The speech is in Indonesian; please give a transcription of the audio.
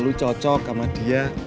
lu cocok sama dia